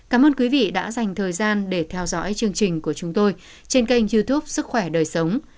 cảm ơn quý vị đã dành thời gian để theo dõi chương trình của chúng tôi trên kênh youtube sức khỏe đời sống